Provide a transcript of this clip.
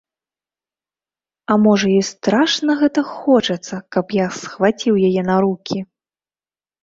А можа ёй страшна гэта хочацца, каб я схваціў яе на рукі?